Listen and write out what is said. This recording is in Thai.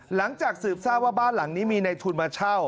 หลังจากสืบทราบว่าบ้านหลังนี้มีในทุนมาเช่า